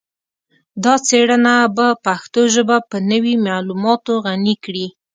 دا څیړنه به پښتو ژبه په نوي معلوماتو غني کړي